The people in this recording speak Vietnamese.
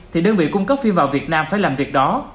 thì đơn vị cung cấp phim vào việt nam phải làm việc đó